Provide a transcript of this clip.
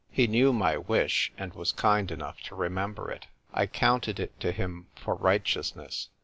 He knew my wish, and was kind enough to remember it. I counted it to him for righteousness.